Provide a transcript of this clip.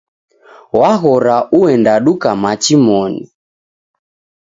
Waghora uenda duka machi moni